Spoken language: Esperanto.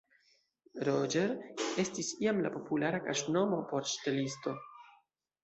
Roger estis iam la populara kaŝnomo por ŝtelisto.